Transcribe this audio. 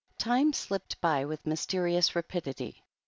VI Time slipped by with mysterious rapidity.